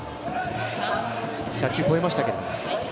１００球を超えましたけど。